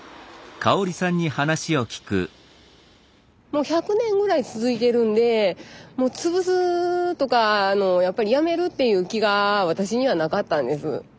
もう１００年ぐらい続いてるんでもう潰すとかやっぱりやめるっていう気が私にはなかったんです。